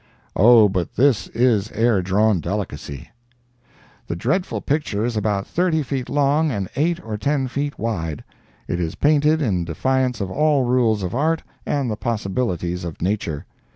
Oh, but this is air drawn delicacy! The dreadful picture is about thirty feet long and eight or ten feet wide. It is painted in defiance of all rules of art and the possibilities of nature.